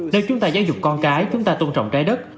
nếu chúng ta giáo dục con cái chúng ta tôn trọng trái đất